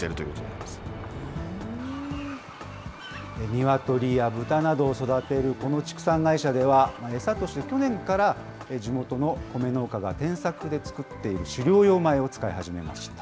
ニワトリやブタなどを育てるこの畜産会社では、餌として去年から、地元のコメ農家が転作で作っている飼料用米を使い始めました。